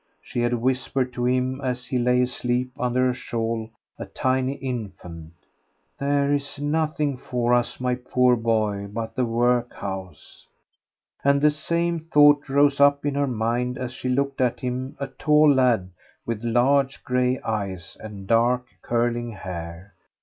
She had whispered to him as he lay asleep under her shawl, a tiny infant, "There is nothing for us, my poor boy, but the workhouse," and the same thought rose up in her mind as she looked at him, a tall lad with large grey eyes and dark curling hair.